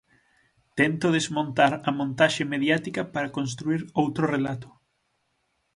Tento desmontar a montaxe mediática para construír outro relato.